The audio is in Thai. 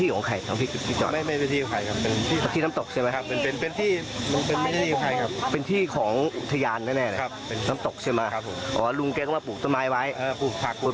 แล้วพี่ได้ยินเสียงปืนยังไงผมได้ยินเสียงประมาณ๕๖นัด